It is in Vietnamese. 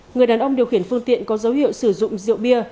người đàn ông điều khiển phương tiện có dấu hiệu sử dụng rượu bia